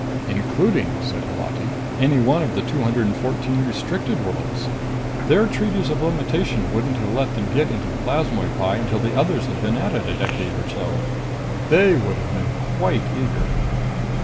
"Including," said Holati, "any one of the two hundred and fourteen restricted worlds. Their treaties of limitation wouldn't have let them get into the plasmoid pie until the others had been at it a decade or so. They would have been quite eager...."